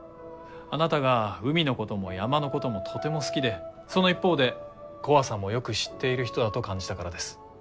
あなたが海のことも山のこともとても好きでその一方で怖さもよく知っている人だと感じたからです。